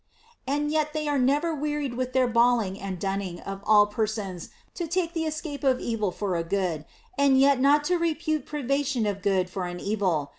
And yet they are never wearied with their brawling and dunning of all persons to take the escape of evil for a good, and yet not to repute privation of good for an evil.